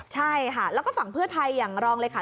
ใช่ค่ะแล้วก็ฝั่งเพื่อไทยอย่างรองเลยค่ะ